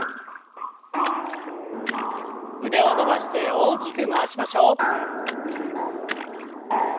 腕を伸ばして大きく回しましょう。